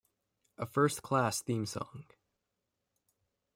A first class theme song.